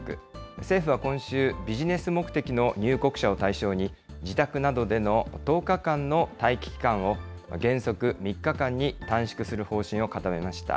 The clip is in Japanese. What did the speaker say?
政府は今週、ビジネス目的の入国者を対象に、自宅などでの１０日間の待機期間を、原則３日間に短縮する方針を固めました。